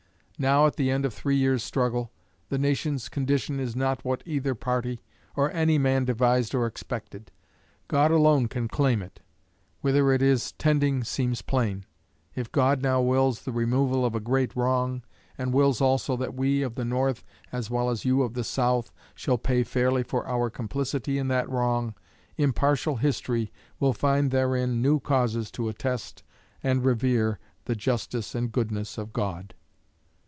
Now, at the end of three years' struggle, the nation's condition is not what either party or any man devised or expected. God alone can claim it. Whither it is tending seems plain. If God now wills the removal of a great wrong, and wills also that we of the North, as well as you of the South, shall pay fairly for our complicity in that wrong, impartial history will find therein new causes to attest and revere the justice and goodness of God.